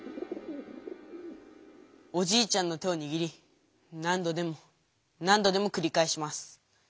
「おじいちゃんの手をにぎりなんどでもなんどでもくりかえします。